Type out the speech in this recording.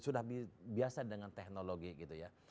sudah biasa dengan teknologi gitu ya